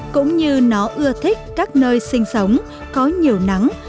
cũng như nó ưa thích các nơi sinh sống có nhiều nắng